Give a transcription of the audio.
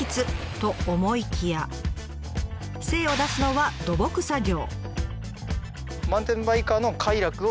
と思いきや精を出すのは土木作業。